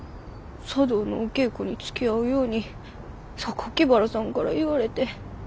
茶道のお稽古につきあうように原さんから言われて。